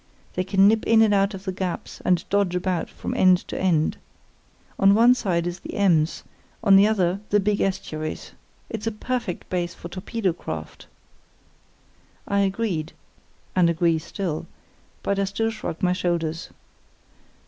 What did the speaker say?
They can nip in and out of the gaps, and dodge about from end to end. On one side is the Ems, on the other the big estuaries. It's a perfect base for torpedo craft." I agreed (and agree still), but still I shrugged my shoulders.